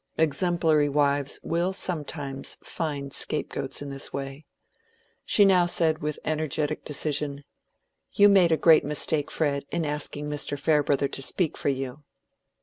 Exemplary wives will sometimes find scapegoats in this way. She now said with energetic decision, "You made a great mistake, Fred, in asking Mr. Farebrother to speak for you."